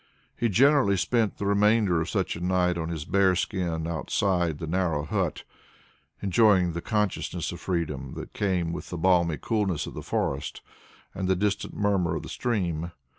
He generally spent the remainder of such a night on his bear skin outside the narrow hut, enjoying the consciousness of freedom that came with the balmy coolness of the forest and the distant murmur of the stream.